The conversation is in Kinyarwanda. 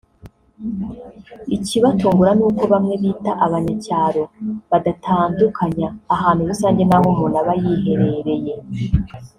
Ikibatungura ni uko bamwe bita abanyacyaro badatandukanya ahantu rusange n’aho umuntu aba yiherereye